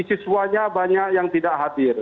siswanya banyak yang tidak hadir